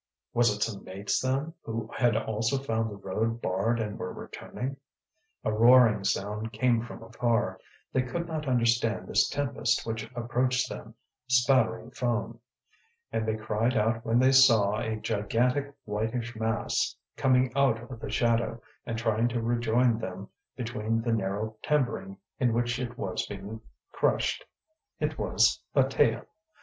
Was it some mates, then, who had also found the road barred and were returning? A roaring sound came from afar; they could not understand this tempest which approached them, spattering foam. And they cried out when they saw a gigantic whitish mass coming out of the shadow and trying to rejoin them between the narrow timbering in which it was being crushed. It was Bataille.